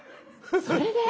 それで！